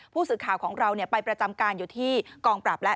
ผู้สื่อข่าวของเราไปประจำการอยู่ที่กองปราบแล้ว